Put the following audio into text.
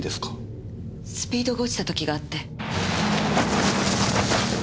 スピードが落ちた時があって。